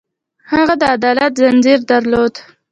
هغه د عدالت ځنځیر درلود.